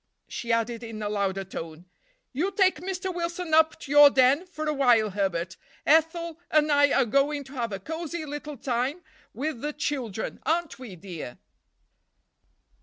She added in a louder tone, "You take Mr. Wilson up to your den for a while, Herbert, Ethel and I are going to have a cozy little time with the children, aren't we, dear?"